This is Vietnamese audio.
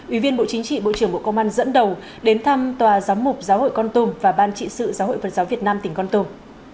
ủy viên bộ chính trị bộ trưởng bộ công an dẫn đầu đến thăm tòa giám mục giáo hội con tum và ban trị sự giáo hội phật giáo việt nam tỉnh con tum